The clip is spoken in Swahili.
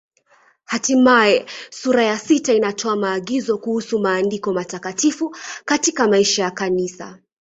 Hatimaye sura ya sita inatoa maagizo kuhusu Maandiko Matakatifu katika maisha ya Kanisa.